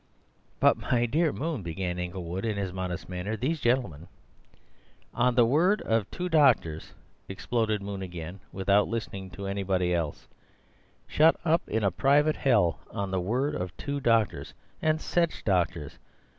"But, my dear Moon," began Inglewood in his modest manner, "these gentlemen—" "On the word of two doctors," exploded Moon again, without listening to anybody else, "shut up in a private hell on the word of two doctors! And such doctors!